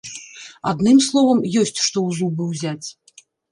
Адным словам, ёсць што ў зубы ўзяць.